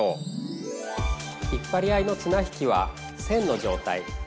引っ張り合いのつな引きは線の状態。